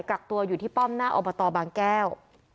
กักตัวอยู่ที่ป้อมหน้าอบตบางแก้ว